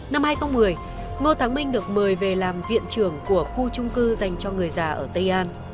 năm hai nghìn một mươi ngô thắng minh được mời về làm viện trưởng của khu trung cư dành cho người già ở tây an